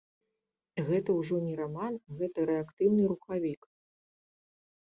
Гэта ўжо не раман, гэта рэактыўны рухавік!